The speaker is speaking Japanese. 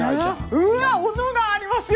うわおのがありますよ！